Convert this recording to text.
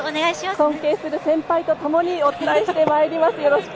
尊敬する先輩とともにお伝えします。